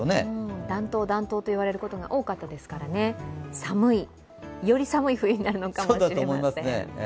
暖冬、暖冬と言われることが多かったですから、より寒い冬になるのかもしれません。